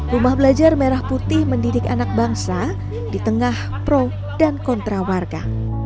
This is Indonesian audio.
rumah belajar merah putih mendidik anak bangsa di tengah pro dan kontra warga